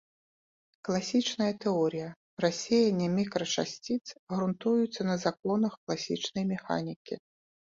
Класічная тэорыя рассеяння мікрачасціц грунтуецца на законах класічнай механікі.